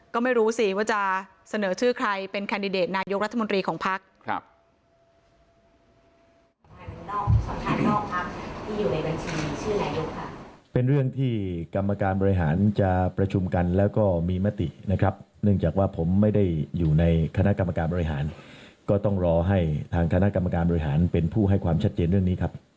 ก็ไม่รู้สิว่าจะเสนอชื่อใครเป็นแคนดิเดตนายกรัฐมนตรีของภักดิ์